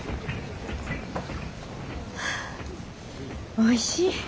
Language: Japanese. おいしい。